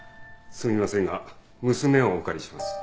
すみませんが娘をお借りします。